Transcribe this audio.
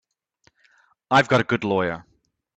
I've got a good lawyer.